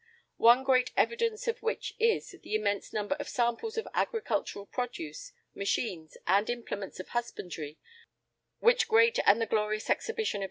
One great evidence of which is, the immense number of samples of agricultural produce, machines, and implements of husbandry, which great and the glorious Exhibition of 1851 has ushered to the world.